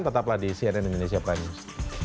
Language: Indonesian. tetaplah di cnn indonesia prime news